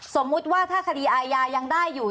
สมมุติว่าถ้าคดีอาญายังได้อยู่